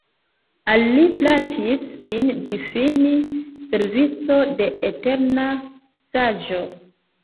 Al li plaĉis sin difini «Servisto de eterna Saĝo».